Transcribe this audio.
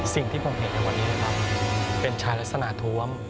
สิ่งที่ผมเห็นในวันนี้นะครับเป็นชายลักษณะท้วม